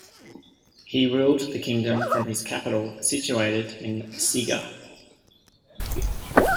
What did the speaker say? He ruled the kingdom from his capital situated in Siga.